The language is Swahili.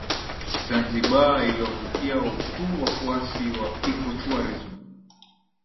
Zanzibar iliwavutia tu wafuasi wa ecotourism